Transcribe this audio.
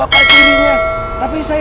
aku akan menganggap